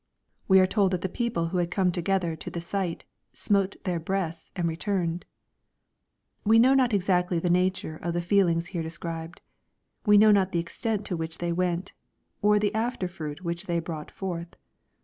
We are told that the people who had come together to the sight, " smote their breasts and returned." We know not exactly the nature of the feelings here described. We know not the extent to which they went, or the after fruit which they brought forth.